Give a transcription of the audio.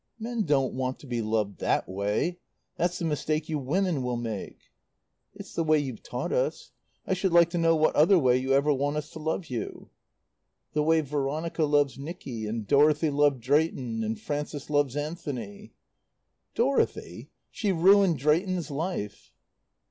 "Men don't want to be loved that way. That's the mistake you women will make." "It's the way you've taught us. I should like to know what other way you ever want us to love you?" "The way Veronica loves Nicky, and Dorothy loved Drayton and Frances loves Anthony." "Dorothy? She ruined Drayton's life."